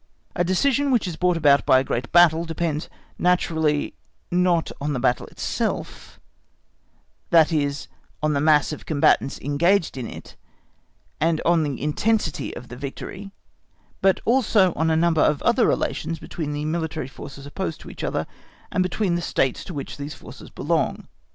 A decision which is brought about by a great battle depends naturally not on the battle itself, that is on the mass of combatants engaged in it, and on the intensity of the victory, but also on a number of other relations between the military forces opposed to each other, and between the States to which these forces belong.